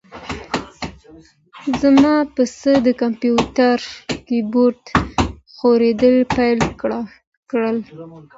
زما پسه د کمپیوتر کیبورډ خوړل پیل کړل.